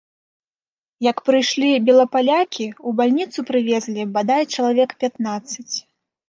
Як прыйшлі белапалякі, у бальніцу прывезлі, бадай, чалавек пятнаццаць.